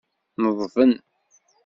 Neḍben.